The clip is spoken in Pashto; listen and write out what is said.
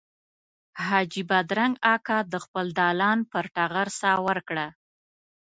حاجي بادرنګ اکا د خپل دالان پر ټغر ساه ورکړه.